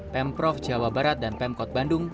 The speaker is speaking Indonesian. pemprov jawa barat dan pemkot bandung